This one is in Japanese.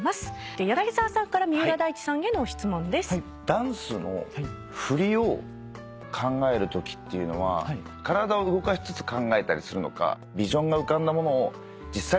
ダンスの振りを考えるときっていうのは体を動かしつつ考えたりするのかビジョンが浮かんだものを実際にこう。